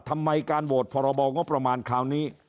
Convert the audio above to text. ทำไมการโหวตพรบงบประมาณคราวนี้